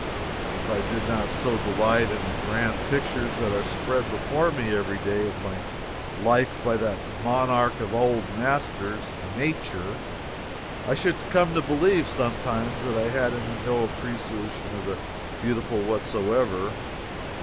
If I did not so delight in the grand pictures that are spread before me every day of my life by that monarch of all the old masters, Nature, I should come to believe, sometimes, that I had in me no appreciation of the beautiful, whatsoever.